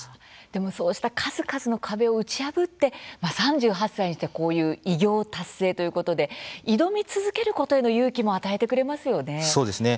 でも、そうした数々の壁を打ち破って３８歳にしてこういう偉業達成ということで挑み続けることへの勇気もそうですね。